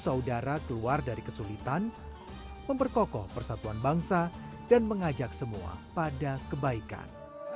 saudara keluar dari kesulitan memperkokoh persatuan bangsa dan mengajak semua pada kebaikan